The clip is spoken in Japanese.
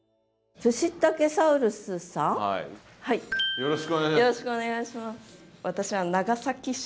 よろしくお願いします。